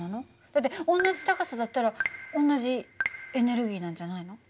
だって同じ高さだったら同じエネルギーなんじゃないの？